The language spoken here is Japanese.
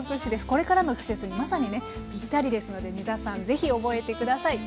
これからの季節にまさにねぴったりですので皆さん是非覚えて下さい。